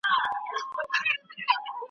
لاس دي رانه کړ اوبو چي ډوبولم .